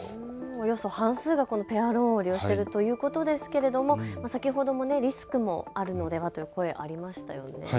およそ半数がこのペアローンを利用しているということですけども先ほどもリスクもあるのではという声がありましたよね。